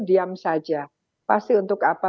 diam saja pasti untuk apa